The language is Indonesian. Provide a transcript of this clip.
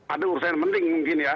ada urusan penting mungkin ya